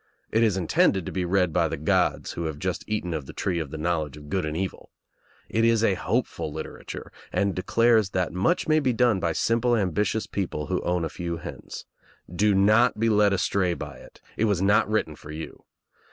It is intended to be read by the gods who have just eaten of the tree of the knowledge of good and evil. It is a hopeful litera ture and declares that much may be done by simple ambitious people who own a few hens. Do not be led astray by it. It was not written for you.